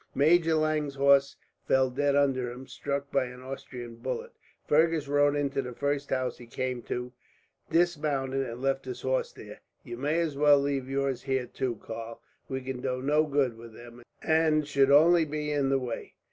Major Lange's horse fell dead under him, struck by an Austrian bullet. Fergus rode into the first house he came to, dismounted, and left his horse there. "You may as well leave yours here too, Karl. We can do no good with them, and should only be in the way.